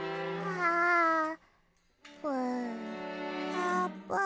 あーぷん。